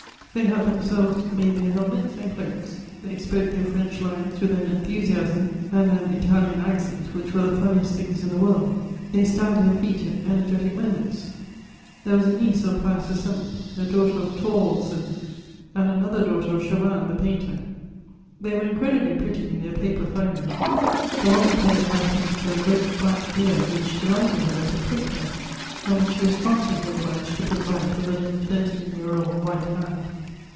_ They had themselves made their helmets and cloaks. They spoke their French lines with an enthusiasm and an Italian accent which were the funniest things in the world; they stamped their feet at energetic moments: there was a niece of Pius VII., a daughter of Thorwaldsen, and another daughter of Chauvin the painter. They were incredibly pretty in their paper finery. The one who played the High Priest had a great black beard which delighted her but pricked her, and which she was constantly obliged to put right with a little thirteen year old white hand.